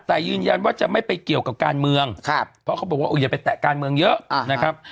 แต่ยืนยันว่าจะไม่ไปเกี่ยวกับการเมืองเพราะเขาบอกว่าอย่าไปแตะการเมืองเยอะนะครับ